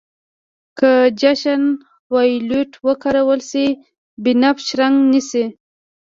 که جنشن وایولېټ وکارول شي بنفش رنګ نیسي.